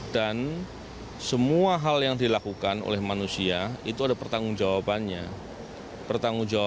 dan semua hal yang dilakukan oleh manusia itu ada pertanggung jawabannya